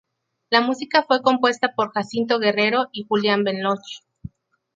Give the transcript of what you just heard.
La música fue compuesta por Jacinto Guerrero y Julián Benlloch.